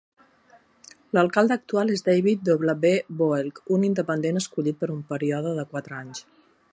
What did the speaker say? L'alcalde actual és David W. Boelk, un independent escollit per un període de quatre anys.